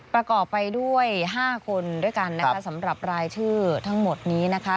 ประกอบไปด้วย๕คนด้วยกันนะคะสำหรับรายชื่อทั้งหมดนี้นะคะ